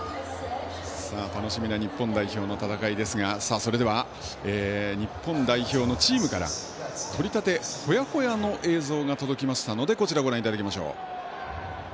楽しみな日本代表の戦いですがそれでは、日本代表のチームから撮りたてほやほやの映像が届きましたのでご覧ください。